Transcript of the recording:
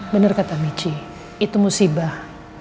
benar kata michi itu musibah